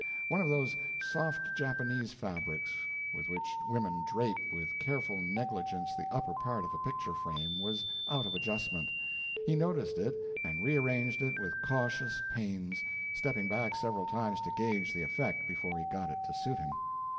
One of those soft Japanese fabrics with which women drape with careful negligence the upper part of a picture frame was out of adjustment. He noticed it, and rearranged it with cautious pains, stepping back several times to gauge the effect before he got it to suit him.